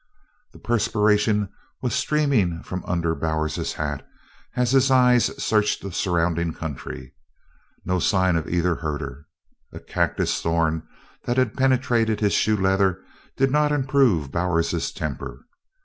The perspiration was streaming from under Bowers's hat as his eyes searched the surrounding country. Not a sign of either herder! A cactus thorn that had penetrated his shoe leather did not improve Bowers's temper.